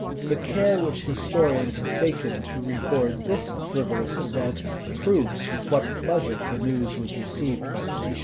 [*] The care which historians have taken to record this frivolous event, proves with what pleasure the news was received by the nation.